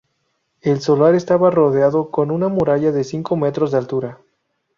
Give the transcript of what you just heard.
El solar estaba rodeado con una muralla de cinco metros de altura.